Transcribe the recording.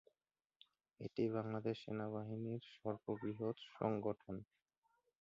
এটি বাংলাদেশ সেনাবাহিনীর সর্ববৃহৎ সংগঠন।